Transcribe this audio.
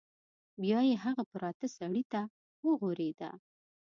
بیا یې هغه پراته سړي ته وغوریده.